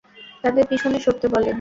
তাদের পিছনে সরতে বলেন!